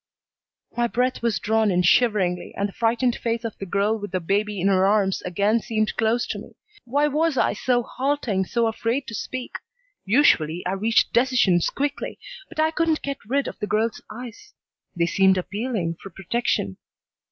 My breath was drawn in shiveringly and the frightened face of the girl with the baby in her arms again seemed close to me. Why was I so halting, so afraid to speak? Usually I reached decisions quickly, but I couldn't get rid of the girl's eyes. They seemed appealing for protection.